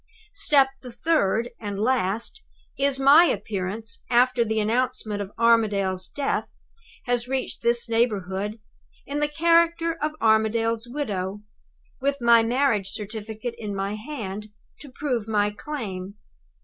Step the third, and last, is my appearance, after the announcement of Armadale's death has reached this neighborhood, in the character of Armadale's widow, with my marriage certificate in my hand to prove my claim.